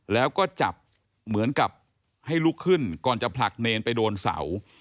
แล้วก็จับเหมือนกับให้ลุกขึ้นก่อนจะผลักเนรไปโดนเสา